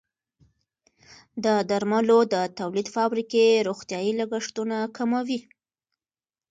د درملو د تولید فابریکې روغتیايي لګښتونه کموي.